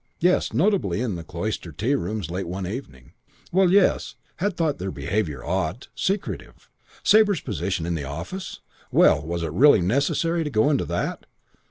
Yes, notably in the Cloister tea rooms late one evening. Well, yes, had thought their behavior odd, secretive. Sabre's position in the office? Well, was it really necessary to go into that?